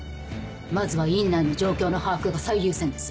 まずは院内の状況の把握が最優先です。